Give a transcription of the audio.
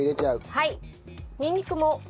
はい。